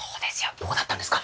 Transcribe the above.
どうだったんですか？